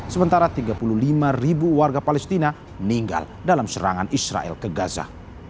sementara tiga puluh lima ribu warga palestina meninggal dalam serangan israel ke gaza